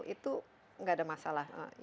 itu tidak ada masalah